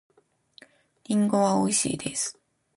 リンゴはおいしいです。